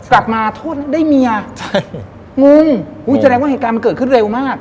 กลับมาโทษได้เมียงุ่งจริงว่าเหตุการณ์มันเกิดขึ้นเร็วมาก